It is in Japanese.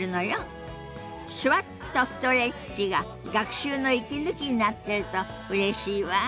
「手話っとストレッチ」が学習の息抜きになってるとうれしいわあ。